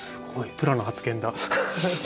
プロの発言だ。